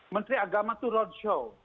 menteri agama itu roadshow